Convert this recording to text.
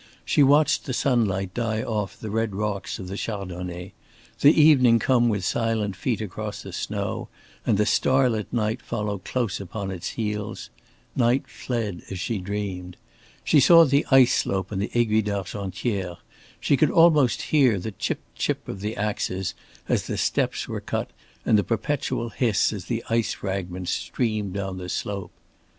She watched the sunlight die off the red rocks of the Chardonnet, the evening come with silent feet across the snow, and the starlit night follow close upon its heels; night fled as she dreamed. She saw the ice slope on the Aiguille d'Argentière, she could almost hear the chip chip of the axes as the steps were cut and the perpetual hiss as the ice fragments streamed down the slope.